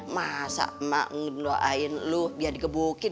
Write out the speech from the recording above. masa emak ngedoain lo biar digebukin